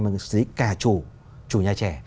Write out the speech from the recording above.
mà xử lý cả chủ chủ nhà trẻ